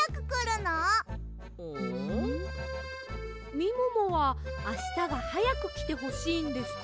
みももはあしたがはやくきてほしいんですか？